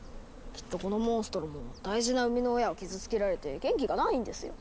きっとこのモンストロも大事な生みの親を傷つけられて元気がないんですよ。